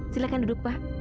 silakan duduk pak